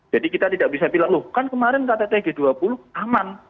jadi kita tidak bisa bilang loh kan kemarin ktt g dua puluh aman